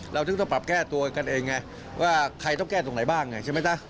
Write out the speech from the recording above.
เราถึงต้องปรับแก้ตัวกันเองไงว่าใครต้องแก้ตรงไหนบ้างไงใช่ไหมจ๊ะ